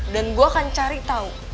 dan gua akan cari tau